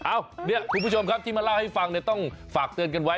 เอ้าเดี๋ยวคุณผู้ชมครับที่มาเล่าให้ฟังต้องฝากเตือนกันไว้